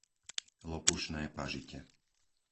Lopušné Pažite